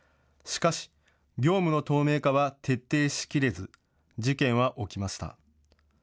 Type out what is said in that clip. しかし業務の透明化は徹底しきれず事件は起きました。